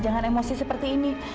jangan emosi seperti ini